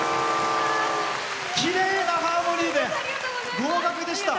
きれいなハーモニーで合格でした。